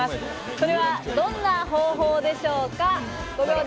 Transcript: それはどんな方法でしょうか？